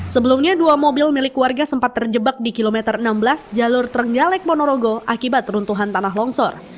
sebelumnya dua mobil milik warga sempat terjebak di kilometer enam belas jalur trenggalek ponorogo akibat runtuhan tanah longsor